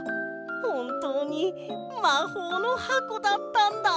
ほんとうにまほうのはこだったんだ！